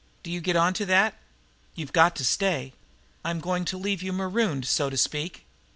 Do you get onto that? You've GOT to stay. I'm going to leave you marooned, so to speak.